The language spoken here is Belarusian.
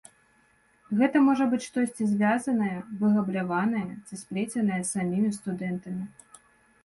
Гэта можа быць штосьці звязанае, выгабляванае ці сплеценае самімі студэнтамі.